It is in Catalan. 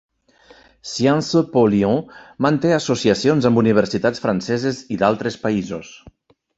Sciences Po Lyon manté associacions amb universitats franceses i d'altres països.